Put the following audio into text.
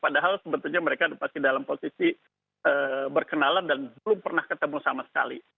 padahal sebetulnya mereka masih dalam posisi berkenalan dan belum pernah ketemu sama sekali